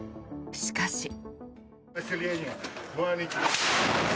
しかし。